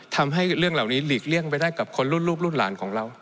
ทำให้เรื่องเหล่านี้หลีกเลี่ยงไปได้กับคนรุ่นลูกรุ่นหลานของเรา